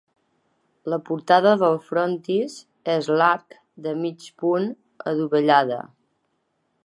La portada del frontis és d'arc de mig punt, adovellada.